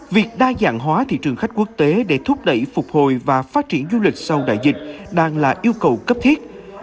việc đa dạng hóa thị trường khách quốc tế để thúc đẩy phục hồi và phát triển du lịch sau đại dịch đang là yêu cầu cấp thiết